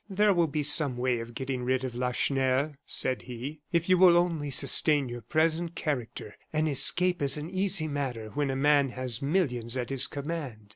"There will be some way of getting rid of Lacheneur," said he, "if you will only sustain your present character. An escape is an easy matter when a man has millions at his command."